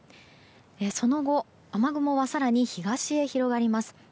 その後、雨雲は更に東へ広がります。